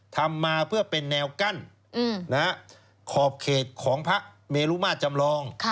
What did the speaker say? ทำมาเพื่อเป็นแนวกั้นขอบเขตของพระเมรุมาตรจำลอง